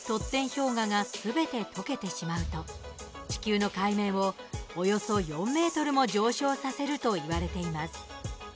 氷河がすべて、とけてしまうと地球の海面を約４ｍも上昇させるといわれています。